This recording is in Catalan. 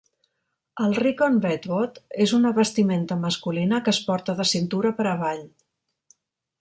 El "rikong vetvot" és una vestimenta masculina que es porta de cintura per avall.